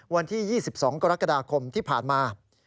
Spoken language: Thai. วันที่๒๒กรกฎาคมที่ผ่านมา